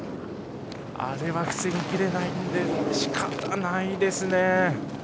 あれは防ぎきれないので仕方ないですね。